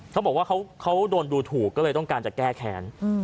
เขาบอกว่าเขาโดนดูถูกก็เลยต้องการจะแก้แค้น